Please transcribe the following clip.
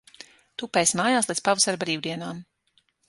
Tupēsi mājās līdz pavasara brīvdienām.